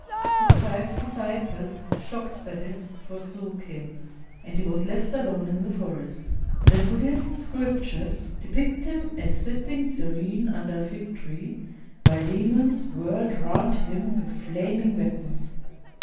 His five disciples, shocked by this, forsook him; and he was left alone in the forest. The Buddhist scriptures depict him as sitting serene under a fig tree, while demons whirled round him with flaming weapons.